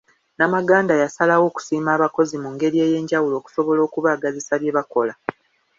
Namaganda yasalawo akusiima abakozi mu ngeri ey'enjawulo okusobola okubaagazisa bye bakola.